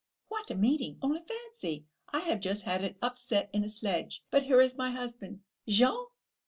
What a meeting! Only fancy, I have just had an upset in a sledge ... but here is my husband! Jean!